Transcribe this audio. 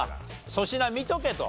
粗品見とけと。